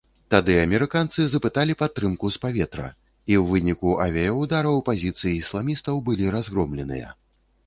Тады амерыканцы запыталі падтрымку з паветра, і ў выніку авіяўдараў пазіцыі ісламістаў былі разгромленыя.